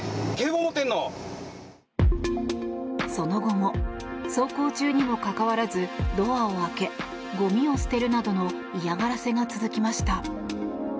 その後も走行中にもかかわらずドアを開けごみを捨てるなどの嫌がらせが続きました。